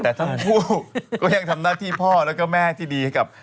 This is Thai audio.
แล้วก็ยังทำนักที่พ่อและแม่ที่ดี